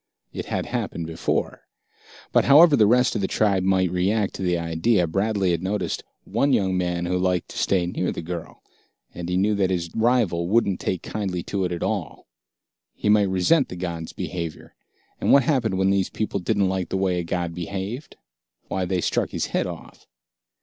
It had happened before. But, however the rest of the tribe might react to the idea, Bradley had noticed one young man who liked to stay near the girl, and he knew that this rival wouldn't take kindly to it at all. He might resent the god's behavior. And what happened when these people didn't like the way a god behaved? Why, they struck his head off.